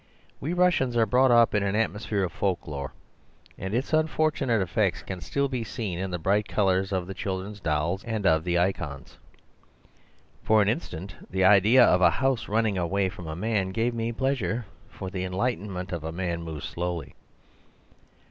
We Russians are brought up in an atmosphere of folk lore, and its unfortunate effects can still be seen in the bright colours of the children's dolls and of the ikons. For an instant the idea of a house running away from a man gave me pleasure, for the enlightenment of man moves slowly.